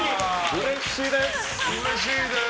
うれしいです！